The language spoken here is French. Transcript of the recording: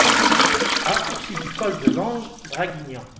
Raccourci du Col de l'Ange, Draguignan